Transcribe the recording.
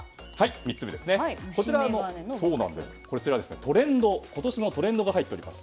３つ目は今年のトレンドが入っております。